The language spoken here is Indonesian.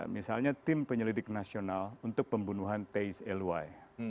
misalnya tim penyelidik nasional untuk pembunuhan teis eluai